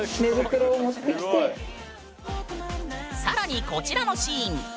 更にこちらのシーン。